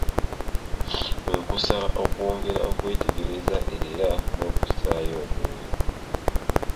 Nkusaba okwongera okwetegereza era n’okussaayo omwoyo.